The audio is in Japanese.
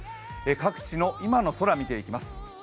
各地の今の空、見ていきます。